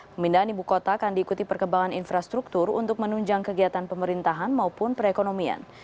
pemindahan ibu kota akan diikuti perkembangan infrastruktur untuk menunjang kegiatan pemerintahan maupun perekonomian